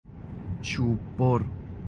چوب بر